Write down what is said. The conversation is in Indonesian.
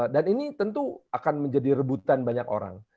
dan ini tentu akan menjadi rebutan banyak orang